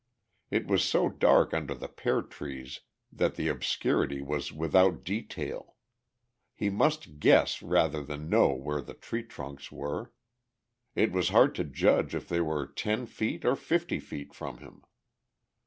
It was so dark under the pear trees that the obscurity was without detail; he must guess rather than know where the tree trunks were; it was hard to judge if they were ten feet or fifty feet from him.